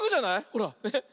ほらね。